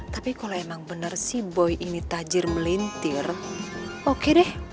tapi kalau emang bener si boy ini tajir melintir oke deh